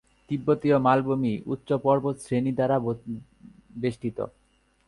তিব্বতীয় মালভূমি উচ্চ পর্বতশ্রেণী দ্বারা বেষ্টিত।